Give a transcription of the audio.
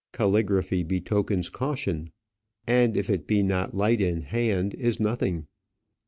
Caligraphy betokens caution, and if it be not light in hand it is nothing.